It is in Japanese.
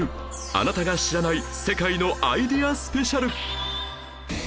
あなたが知らない世界のアイデアスペシャル